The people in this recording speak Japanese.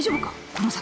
この先。